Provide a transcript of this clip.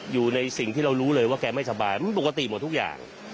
อยู่ในสิ่งที่เรารู้เลยว่าแกไม่สบายมันปกติหมดทุกอย่าง